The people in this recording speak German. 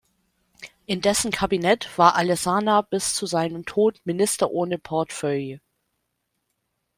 In dessen Kabinett war Alesana bis zu seinem Tod Minister ohne Portefeuille.